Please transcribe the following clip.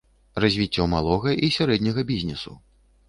Развіццё малога і сярэдняга бізнесу.